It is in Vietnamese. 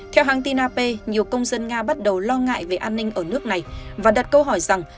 theo hãng tin ap nhiều công dân nga bắt đầu lo ngại về an ninh ở nước này và đặt câu hỏi rằng